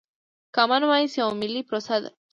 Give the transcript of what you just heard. کامن وايس يوه ملي پروسه ده.